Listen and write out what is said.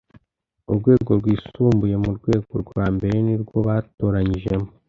urwego rwisumbuye mu rwego rwa mbere nirwo batoranyijemo